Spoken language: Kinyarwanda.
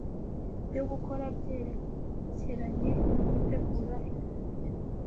byo gukora byerekeranye no gutegura ibyokurya